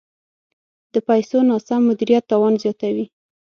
د پیسو ناسم مدیریت تاوان زیاتوي.